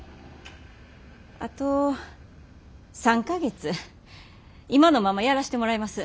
あと３か月今のままやらしてもらいます。